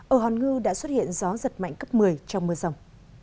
ở hòn ngư đã xuất hiện gió giật mạnh cấp một mươi trong mưa rồng